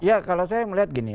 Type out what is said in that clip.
ya kalau saya melihat gini